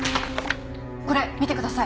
これ見てください。